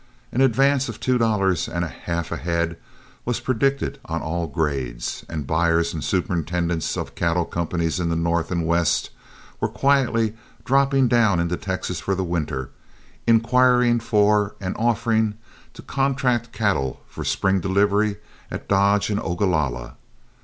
An advance of two dollars and a half a head was predicted on all grades, and buyers and superintendents of cattle companies in the North and West were quietly dropping down into Texas for the winter, inquiring for and offering to contract cattle for spring delivery at Dodge and Ogalalla.